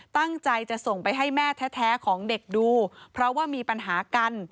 ตั้งใจจะส่งไปให้แม่แท้ของเด็กดูเพราะว่ามีปัญหากัน